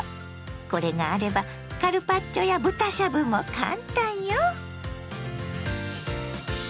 これがあればカルパッチョや豚しゃぶもカンタンよ。